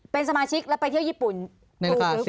เป็นสมาชิกแล้วไปเที่ยวยี่ปุ่น